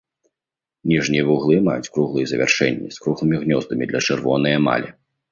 Ніжнія вуглы маюць круглыя завяршэнні з круглымі гнёздамі для чырвонай эмалі.